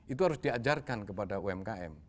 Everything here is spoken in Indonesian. itu harus diajarkan kepada umkm